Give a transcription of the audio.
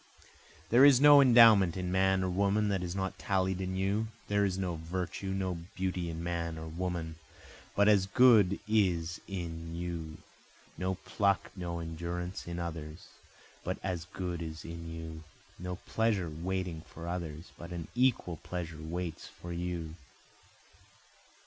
There is no endowment in man or woman that is not tallied in you, There is no virtue, no beauty in man or woman, but as good is in you, No pluck, no endurance in others, but as good is in you, No pleasure waiting for others, but an equal pleasure waits for you.